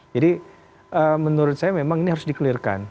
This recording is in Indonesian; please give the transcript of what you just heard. jadi menurut saya memang ini harus di clear kan